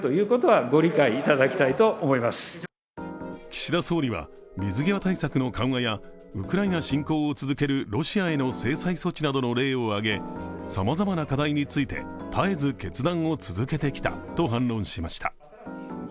岸田総理は水際対策の緩和やウクライナ侵攻を続けるロシアへの制裁措置などの例を挙げ、さまざまな課題について絶えず決断を続けてきたと反論しました。